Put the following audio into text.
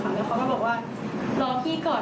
แล้วเขาก็บอกว่ารอพี่ก่อน